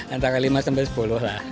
antara lima sampai sepuluh lah